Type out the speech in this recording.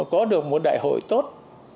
có được một đại hội tốt